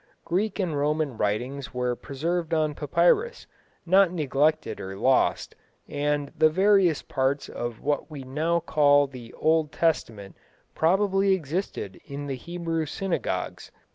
Greek and Roman writings were preserved on papyrus, not neglected or lost, and the various parts of what we now call the Old Testament probably existed in the Hebrew synagogues.